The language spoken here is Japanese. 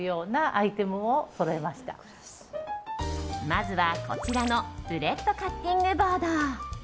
まずは、こちらのブレッドカッティングボード。